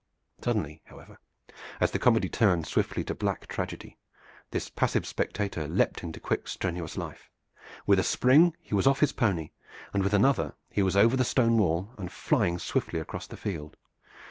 Suddenly, however, as the comedy turned swiftly to black tragedy, this passive spectator leaped into quick strenuous life. With a spring he was off his pony, and with another he was over the stone wall and flying swiftly across the field.